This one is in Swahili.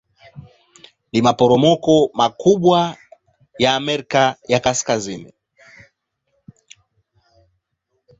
Ni maporomoko makubwa ya Amerika ya Kaskazini.